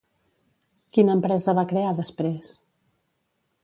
Quina empresa va crear després?